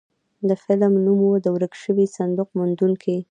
د فلم نوم و د ورک شوي صندوق موندونکي.